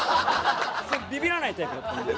ビビらないタイプだったんで。